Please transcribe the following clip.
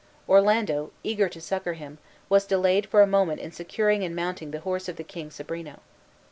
Orlando, eager to succor him, was delayed for a moment in securing and mounting the horse of the King Sobrino.